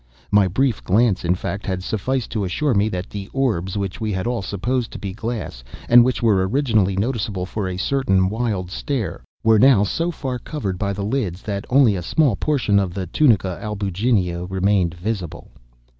My brief glance, in fact, had sufficed to assure me that the orbs which we had all supposed to be glass, and which were originally noticeable for a certain wild stare, were now so far covered by the lids, that only a small portion of the tunica albuginea remained visible.